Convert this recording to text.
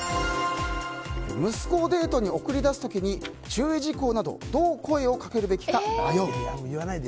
息子をデートに送り出す時に注意事項などどう声をかけるべきか迷う。